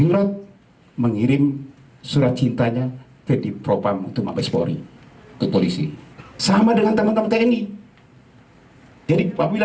namun dipastikan kendaraan berpelat nomor khusus akan ditilang jika kedapatan melanggar peraturan lalu lintas